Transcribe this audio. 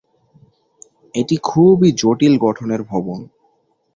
এটি খুবই জটিল গঠনের ভবন।